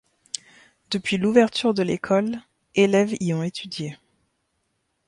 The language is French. Depuis l'ouverture de l'école, élèves y ont étudié.